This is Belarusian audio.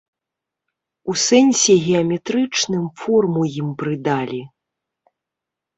У сэнсе геаметрычным форму ім прыдалі.